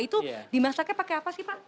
itu dimasaknya pakai apa sih pak